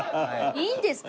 いいんですか？